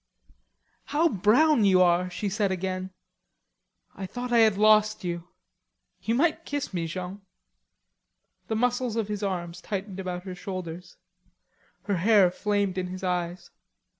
"How brown you are!" she said again. "I thought I had lost you.... You might kiss me, Jean." The muscles of his arms tightened about her shoulders. Her hair flamed in his eyes.